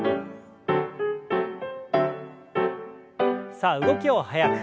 さあ動きを速く。